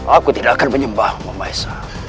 aku tidak akan menyembahmu maisa